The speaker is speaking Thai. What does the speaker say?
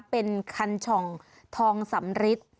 เป็นคันช่องทองสำริท